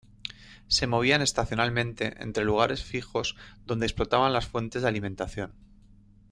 Se movían estacionalmente entre lugares fijos donde explotaban las fuentes de alimentación.